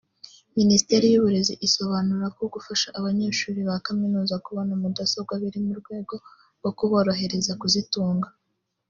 Minisiteri y’Uburezi isobanura ko gufasha abanyeshuri ba Kaminuza kubona mudasobwa biri mu rwego rwo kuborohereza kuzitunga